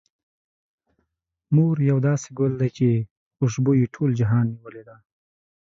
مور يو داسې ګل ده، چې خوشبو يې ټول جهان نيولې ده.